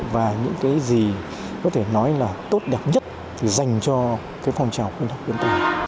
cái gì có thể nói là tốt đẹp nhất thì dành cho cái phong trào khuyến học tuyển tình